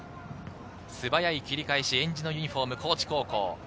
素早い切り替えし、えんじのユニホーム高知高校。